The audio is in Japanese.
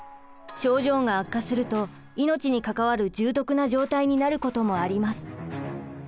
症状が悪化すると命に関わる重篤な状態になることもあります。